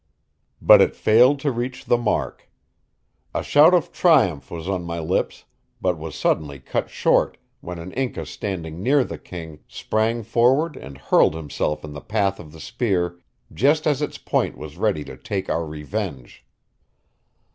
But it failed to reach the mark. A shout of triumph was on my lips, but was suddenly cut short when an Inca standing near the king sprang forward and hurled himself in the path of the spear just as its point was ready to take our revenge.